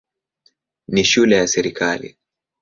Ni shule ya serikali.